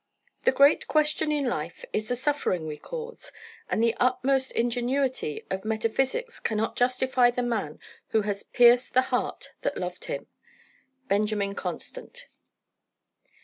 The great question in life is the suffering we cause: and the utmost ingenuity of metaphysics cannot justify the man who has pierced the heart that loved him. BENJAMIN CONSTANT.